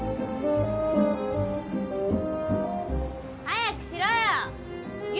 早くしろよ！